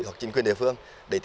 hoặc chính quyền địa phương